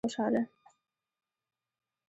سودا یې راوړه او ژمی تود شو څښتن یې خوشاله.